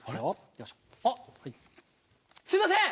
あっすいません！